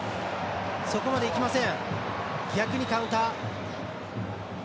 そこまでいきません。